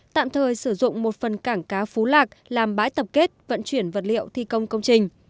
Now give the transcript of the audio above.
tạm thời sử dụng một phần cảng cá phú lạc làm bãi tập kết vận chuyển vật liệu thi công công trình